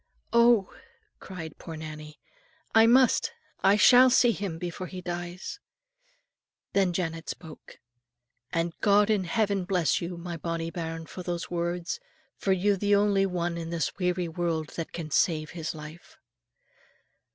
"Oh," cried poor Nannie, "I must, I shall see him before he dies." Then Janet spoke. "And God in heaven bless you, my bonnie bairn, for those words; for you're the only one in this weary world that can save his life."